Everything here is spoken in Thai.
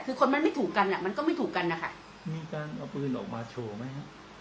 คือคนมันไม่ถูกกันอ่ะมันก็ไม่ถูกกันนะคะมีการเอาปืนออกมาโชว์ไหมฮะ